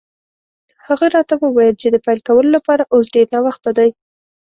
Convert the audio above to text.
هغه راته وویل چې د پیل کولو لپاره اوس ډېر ناوخته دی.